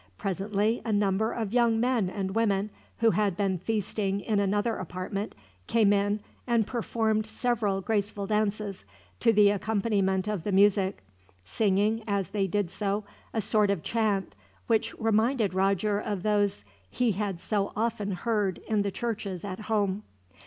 Presently a number of young men and women, who had been feasting in another apartment, came in and performed several graceful dances, to the accompaniment of the music; singing, as they did so, a sort of chant, which reminded Roger of those he had so often heard in the churches at home.